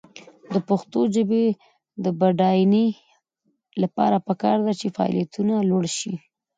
د پښتو ژبې د بډاینې لپاره پکار ده چې فعالیتونه لوړ شي.